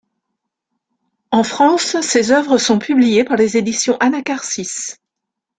En France, ses œuvres sont publiées par les éditions Anacharsis.